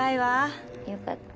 よかった。